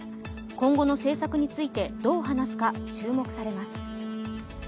今後の政策についてどう話すか注目されます。